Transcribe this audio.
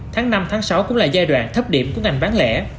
tháng năm tháng sáu cũng là giai đoạn thấp điểm của ngành bán lẻ